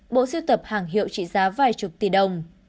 bộ siêu tập hàng hiệu trị giá vài chục tỷ đồng